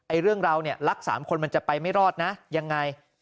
เรื่องเราเนี่ยรักสามคนมันจะไปไม่รอดนะยังไง